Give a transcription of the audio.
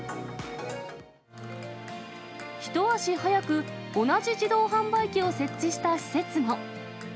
一足早く同じ自動販売機を設置した施設も。